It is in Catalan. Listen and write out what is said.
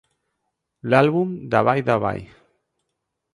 L'àlbum Davay-Davay!